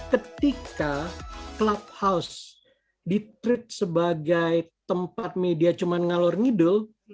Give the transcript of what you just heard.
ketika clubhouse di treat sebagai tempat media cuma ngalur ngidul